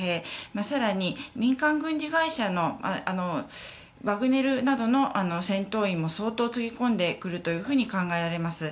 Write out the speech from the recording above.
更に民間軍事会社のワグネルなどの戦闘員も相当、つぎ込んでくると考えられます。